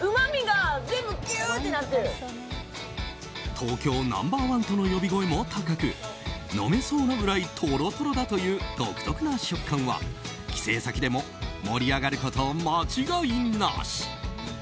東京ナンバー１との呼び声も高く飲めそうなぐらいトロトロだという独特な食感は、帰省先でも盛り上がること間違いなし。